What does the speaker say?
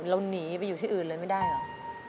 เราหนีไปอยู่ที่อื่นเลยไม่ได้เหรอ